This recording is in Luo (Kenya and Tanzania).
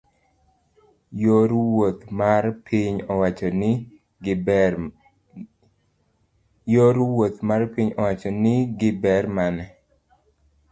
yor wuoth mar piny owacho ni gi ber mane?